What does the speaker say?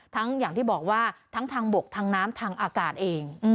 อย่างที่บอกว่าทั้งทางบกทางน้ำทางอากาศเอง